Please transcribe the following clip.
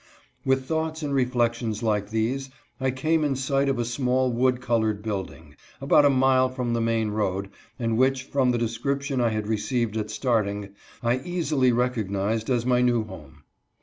With thoughts and reflections like these I came in sight of a small wood colored build ing, about a mile from the main road, and which, from the description I had received at starting, I easily rec ognized as my new home.